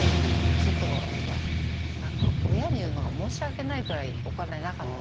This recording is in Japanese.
そういうとこが親に言うのが申し訳ないぐらいお金なかったんですよ。